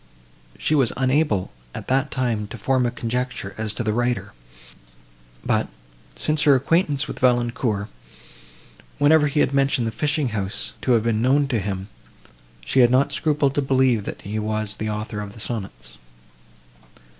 She was unable, at that time, to form a conjecture, as to the writer, but, since her acquaintance with Valancourt, whenever he had mentioned the fishing house to have been known to him, she had not scrupled to believe that he was the author of the sonnets.